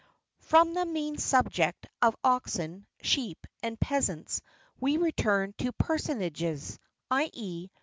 From the mean subject of oxen, sheep, and peasants, we return to personages; i.e.